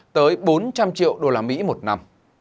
tới bốn trăm linh triệu usd một năm